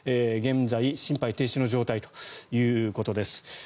現在、心肺停止の状態ということです。